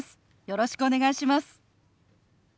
よろしくお願いします。